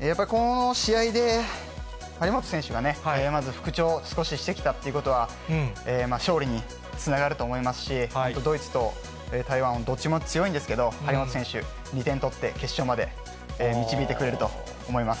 やっぱりこの試合で、張本選手がね、まず復調、少ししてきたということは、勝利につながると思いますし、本当、ドイツと台湾、どっちも強いんですけど、張本選手、２戦取って決勝まで導いてくれると思います。